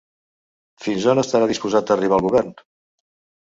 Fins on estarà disposat a arribar el govern?